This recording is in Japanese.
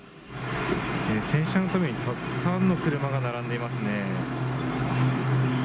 洗車のためにたくさんの車が並んでいますね。